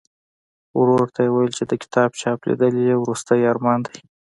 ورور ته یې ویل چې د کتاب چاپ لیدل یې وروستنی ارمان دی.